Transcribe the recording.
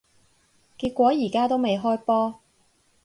結果而家都未開波